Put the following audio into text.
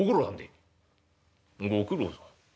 「ご苦労さん？